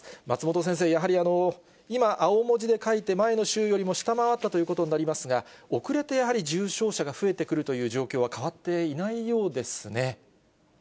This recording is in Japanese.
松本先生、やはり、今、青文字で書いて、前の週よりも下回ったということになりますが、遅れてやはり重症者が増えてくるという状況は変わっていないようそうですね。